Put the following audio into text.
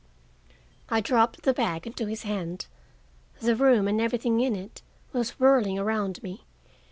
I dropped the bag into his hand. The room and everything in it was whirling around me.